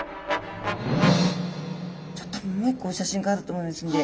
ちょっともう一個お写真があると思いますので。